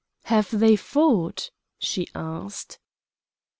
"Have they fought?" she asked.